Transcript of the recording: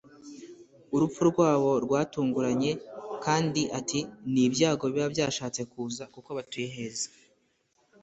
urupfu rwabo rwatunguranye kandi ati “Ni ibyago biba byashatse kuza kuko batuye heza”